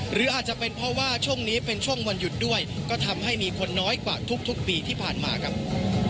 หรืออาจจะเป็นเพราะว่าช่วงนี้เป็นช่วงวันหยุดด้วยก็ทำให้มีคนน้อยกว่าทุกปีที่ผ่านมาครับ